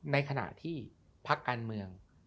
ในขณะที่พักการเมือง